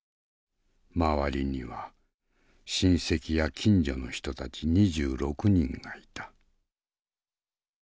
周りには親戚や近所の人たち２６人がいた。